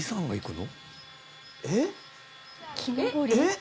えっ？